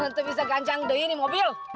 entar bisa gancang deh ini mobil